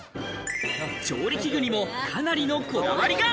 調理器具にもかなりのこだわりが。